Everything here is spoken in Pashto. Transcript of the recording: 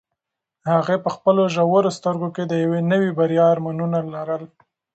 هغې په خپلو ژورو سترګو کې د یوې نوې بریا ارمانونه لرل.